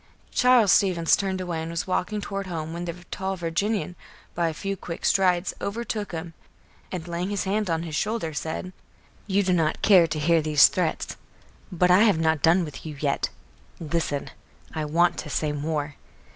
Charles Stevens turned away and was walking toward home, when the tall Virginian, by a few quick strides, overtook him and, laying his hand on his shoulder, said: "You do not care to hear these threats; but I have not done with you yet. Listen; I want to say more.